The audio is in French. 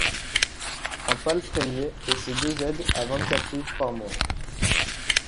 Un palefrenier et ses deux aides à vingt-quatre livres par mois!